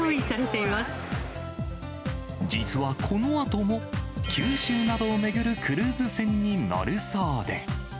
実はこのあとも、九州などを巡るクルーズ船に乗るそうで。